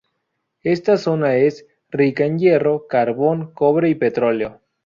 Esta zona es rica en hierro, carbón, cobre y petróleo.